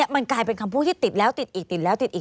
มันกลายเป็นคำพูดที่ติดแล้วติดอีก